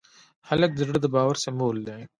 هلک د زړه د باور سمبول دی.